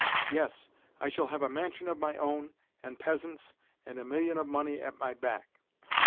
Yes, I shall have a mansion of my own, and peasants, and a million of money at my back."